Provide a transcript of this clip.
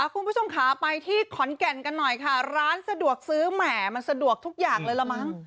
คุณผู้ชมค่ะไปที่ขอนแก่นกันหน่อยค่ะร้านสะดวกซื้อแหมมันสะดวกทุกอย่างเลยละมั้ง